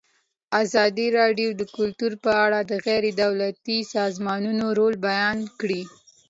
ازادي راډیو د کلتور په اړه د غیر دولتي سازمانونو رول بیان کړی.